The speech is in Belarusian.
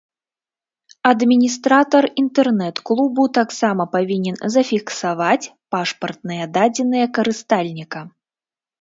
Адміністратар інтэрнэт-клубу таксама павінен зафіксаваць пашпартныя дадзеныя карыстальніка.